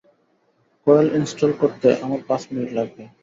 Coil install করতে আমার পাঁচ মিনিট লাগবে।